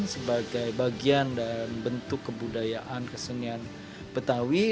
sebagai bagian dari bentuk kebudayaan kesenian betawi